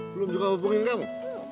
belum juga hubungin kamu